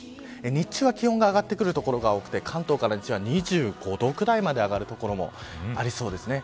日中は気温が上がってくる所が多くて関東から西は２５度ぐらいまで上がる所もありそうです